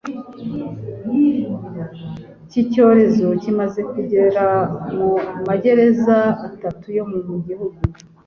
ki cyorezo kimaze kugera mu magereza atatu yo mu gihugu,